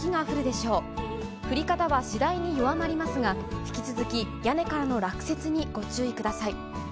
降り方は次第に弱まりますが引き続き、屋根からの落雪にご注意ください。